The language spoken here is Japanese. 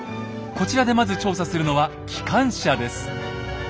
こちらでまず調査するのは機関車です。